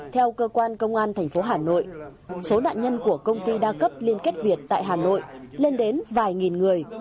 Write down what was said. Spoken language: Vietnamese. theo cơ quan công an tp hà nội số nạn nhân của công ty đa cấp liên kết việt tại hà nội lên đến vài nghìn người